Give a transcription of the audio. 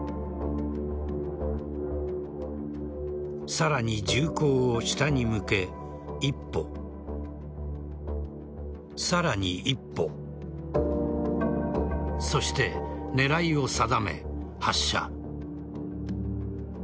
さらに銃口を下に向け、一歩さらに一歩そして狙いを定め、発射。